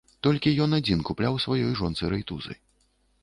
Толькі ён адзін купляў сваёй жонцы рэйтузы.